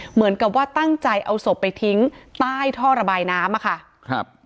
เหมือนกับว่าตั้งใจเอาศพไปทิ้งใต้ท่อระบายน้ำอะค่ะครับ